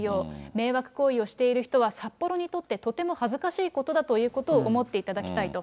迷惑行為をしている人は、札幌にとってとても恥ずかしいことだということを思っていただきたいと。